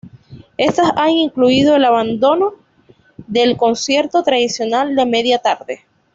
Estas han incluido el abandono del concierto tradicional de media tarde.